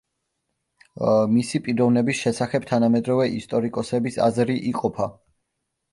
მისი პიროვნების შესახებ თანამედროვე ისტორიკოსების აზრი იყოფა.